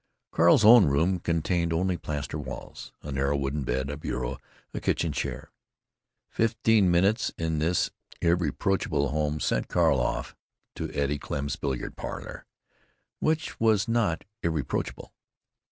Carl's own room contained only plaster walls, a narrow wooden bed, a bureau, a kitchen chair. Fifteen minutes in this irreproachable home sent Carl off to Eddie Klemm's billiard parlor, which was not irreproachable.